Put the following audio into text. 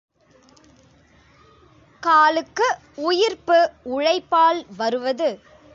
காலுக்கு உயிர்ப்பு உழைப்பால் வருவது.